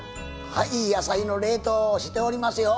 はい野菜の冷凍しておりますよ！